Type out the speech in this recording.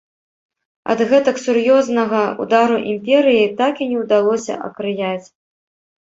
Ад гэтак сур'ёзнага ўдару імперыі так і не ўдалося акрыяць.